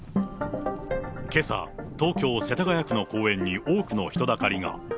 けさ、東京・世田谷区の公園に多くの人だかりが。